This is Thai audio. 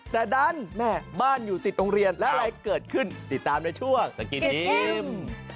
แต่ดันแม่บ้านอยู่ติดโรงเรียนและอะไรเกิดขึ้นติดตามในช่วงสกิน